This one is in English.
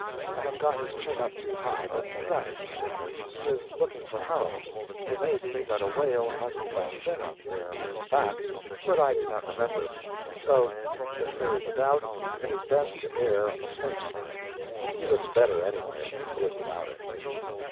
I have got his chin up too high, but that is no matter; he is looking for Harold. It may be that a whale hasn't that fin up there on his back, but I do not remember; and so, since there is a doubt, it is best to err on the safe side. He looks better, anyway, than he would without it.